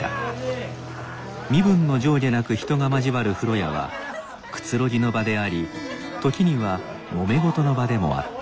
身分の上下なく人が交わる風呂屋はくつろぎの場であり時にはもめ事の場でもあった